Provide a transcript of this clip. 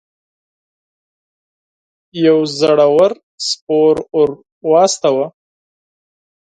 یو زړه ور سپور ور واستاوه.